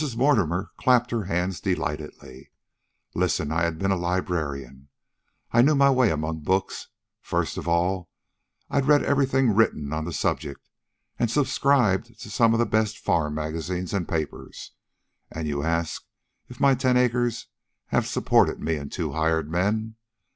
Mortimer clapped her hands delightedly. "Listen. I had been a librarian. I knew my way among books. First of all I'd read everything written on the subject, and subscribed to some of the best farm magazines and papers. And you ask if my ten acres have supported me and two hired men.